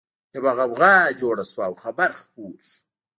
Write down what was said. يوه غوغا جوړه شوه او خبر خپور شو